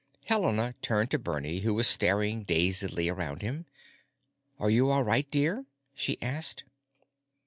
Helena turned to Bernie, who was staring dazedly around him. "Are you all right, dear?" she asked.